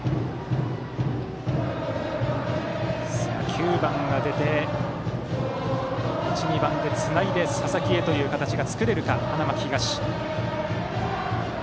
９番が出て、１、２番でつないで佐々木へという形が作れるか花巻東。